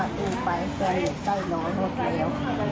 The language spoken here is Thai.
นักหนึ่งมีเด็กน้อยหลายรุ่นไม่รู้ที่ไหนมันมาขอบป้า